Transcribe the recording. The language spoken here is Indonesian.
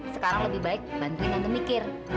sekarang lebih baik bantuin bantu mikir